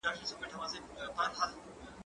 هغه څوک چي موبایل کاروي پوهه زياتوي!؟